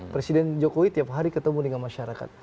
presiden jokowi tiap hari ketemu dengan masyarakat